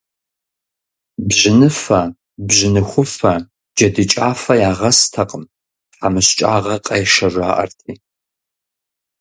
Бжьыныфэ, бжьыныхуфэ, джэдыкӀафэ ягъэстэкъым, тхьэмыщкӀагъэ къешэ, жаӀэрти.